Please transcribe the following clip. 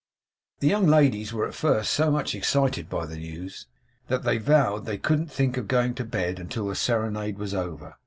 The young ladies were at first so much excited by the news, that they vowed they couldn't think of going to bed until the serenade was over.